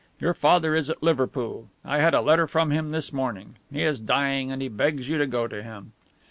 Your father is at Liverpool. I had a letter from him this morning. He is dying and he begs you to go to him."